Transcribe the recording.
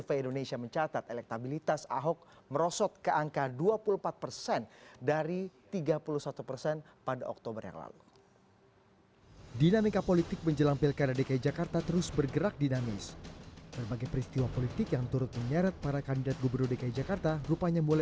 tapi usia yang paling besar paling mayoritas adalah usia antara tiga puluh sampai lima puluh tahun ya